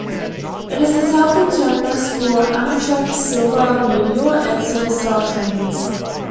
It is the southern terminus for Amtrak's "Silver Meteor" and "Silver Star" trains.